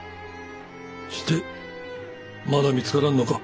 してまだ見つからんのか？